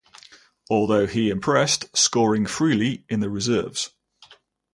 Although he impressed, scoring freely in the reserves.